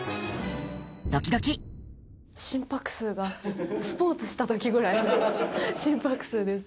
心拍数が、スポーツしたときぐらいの心拍数です。